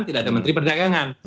tidak ada menteri perdagangan